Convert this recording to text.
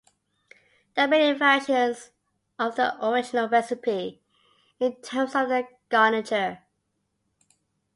There are many variations of the original recipe, in terms of the garniture.